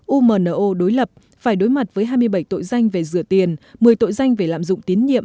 umo đối lập phải đối mặt với hai mươi bảy tội danh về rửa tiền một mươi tội danh về lạm dụng tín nhiệm